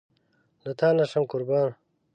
له تانه شم قربان